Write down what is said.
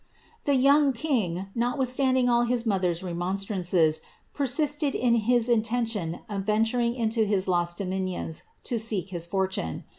The young king, notwithstanding all his mother's remoIlstnnees, pc^ .. sisted in his intention of venturing into his lost dominions to seek Ui fortune.